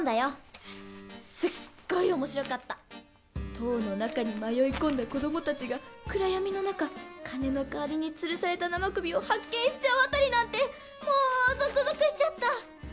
塔の中に迷い込んだ子どもたちが暗闇の中鐘の代わりにつるされた生首を発見しちゃうあたりなんてもうゾクゾクしちゃった！